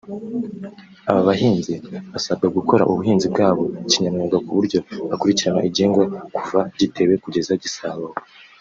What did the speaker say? Aba bahinzi basabwa gukora ubuhinzi bwabo kinyamwuga ku buryo bakurikirana igihingwa kuva gitewe kugeza gisaruwe